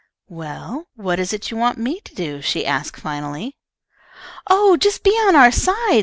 "Well, what is it you want me to do?" she asked, finally. "Oh, just be on our side!"